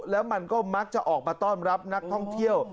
แล้วมันก็มักจะออกมาต้อนรับนักท่องเที่ยว